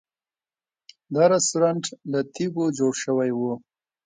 دا رسټورانټ له تیږو جوړ شوی و.